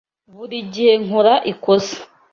Buri gihe nkora ikosa.